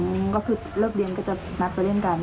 อืมก็คือเลิกเรียนก็จะนัดไปเล่นกัน